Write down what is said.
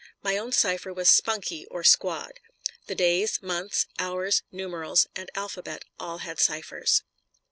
My own cipher was "spunky" or "squad." The days, months, hours, numerals, and alphabet all had ciphers.